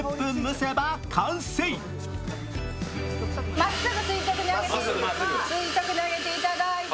まっすぐ垂直に上げていただいて。